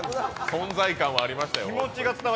存在感はありましたよ。